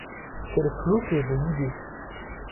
Quels flots que les idées!